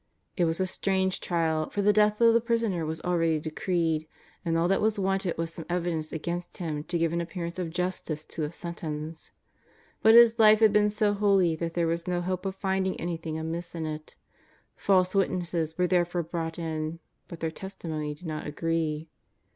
It was a strange trial, for the death of the Prisoner was already decreed, and all that was wanted was some evidence against Him to give an appearance of justice to the sentence. But His life had been so holy that there was no hope of finding any thing amiss in it ; false .witnesses were therefore brought in, but their testimony did not agree.